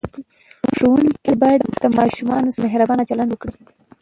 ښوونکي باید د ماشوم سره مهربانه چلند وکړي.